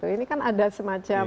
ini kan ada semacam